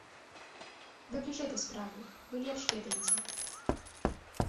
Вы бліжэй да справы, вы лепш ведаеце.